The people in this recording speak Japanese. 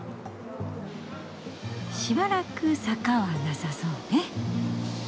しばらく坂はなさそうね。